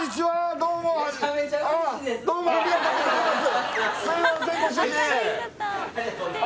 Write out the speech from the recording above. どうもどうもありがとうございます